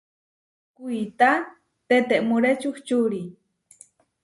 Kuitá tetemúre čuhčúri.